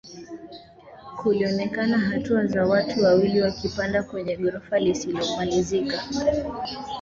Kulionekana hatua za watu wawili wakipanda kwenye gorofa lisilomalizika